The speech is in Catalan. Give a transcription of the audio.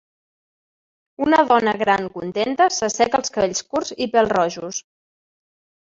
una dona gran contenta s'asseca els cabells curts i pèl-rojos.